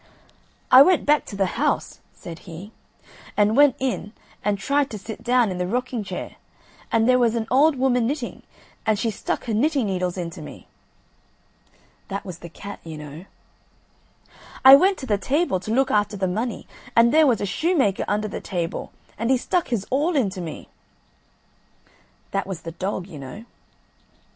"I went back to the house," said he, "and went in and tried to sit down in the rocking chair, and there was an old woman knitting, and she stuck her knitting needles into me." That was the cat, you know. "I went to the table to look after the money and there was a shoemaker under the table, and he stuck his awl into me." That was the dog, you know.